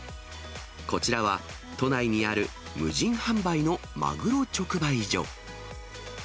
こちらは、都内にある無人販売のマグロ直売所。